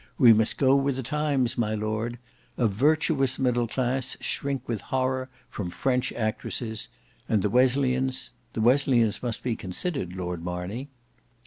We must go with the times, my Lord. A virtuous middle class shrink with horror from French actresses; and the Wesleyans—the Wesleyans must be considered, Lord Marney."